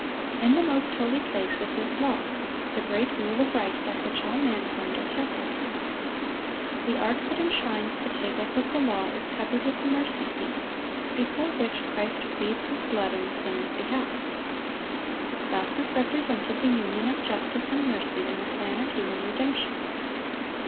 In the most holy place is His law, the great rule of right by which all mankind are tested. The ark that enshrines the tables of the law is covered with the mercy seat, before which Christ pleads His blood in the sinner's behalf. Thus is represented the union of justice and mercy in the plan of human redemption.